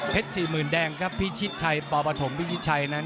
เพชร๔๐๐๐๐แดงก็พี่ชิดชัยปอปฐมพี่ชิดชัยนั้น